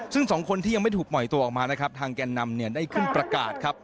ซึ่ง๒คนที่ยังไม่ถูกปล่อยตัวออกมาทางแก่นำได้ขึ้นประกาศ